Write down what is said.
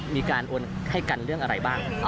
มีการโอนให้กันเรื่องอะไรบ้าง